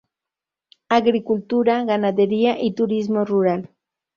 Agricultura, ganadería y turismo rural.